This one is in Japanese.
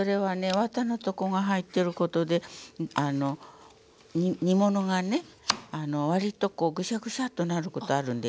わたのとこが入ってることで煮物がね割とこうグシャグシャッとなることあるんですよ。